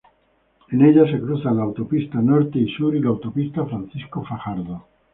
En ella se cruzan la Autopista Norte Sur y la Autopista Francisco Fajardo.